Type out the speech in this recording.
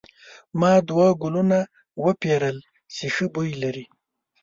ما دوه ګلونه وپیرل چې ښه بوی لري.